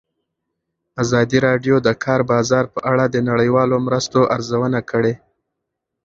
ازادي راډیو د د کار بازار په اړه د نړیوالو مرستو ارزونه کړې.